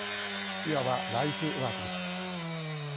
いわばライフワークです。